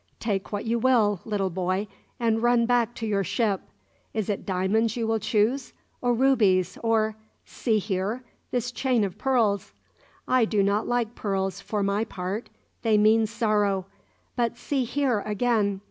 Take what you will, little boy, and run back to your ship. Is it diamonds you will choose, or rubies, or see here this chain of pearls? I do not like pearls, for my part; they mean sorrow. But see here, again!